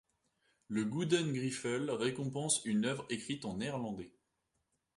Le Gouden Griffel récompense une œuvre écrite en néerlandais.